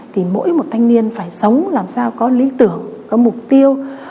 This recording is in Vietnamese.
thì mỗi một thanh niên phải sống làm sao có lý tưởng có mục tiêu